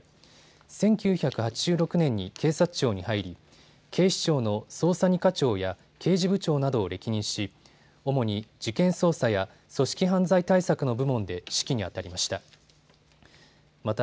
１９８６年に警察庁に入り、警視庁の捜査２課長や刑事部長などを歴任し主に事件捜査や組織犯罪対策の部門で指揮にあたりました。